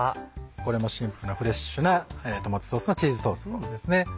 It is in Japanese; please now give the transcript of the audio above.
これもシンプルなフレッシュなトマトソースのチーズトーストです。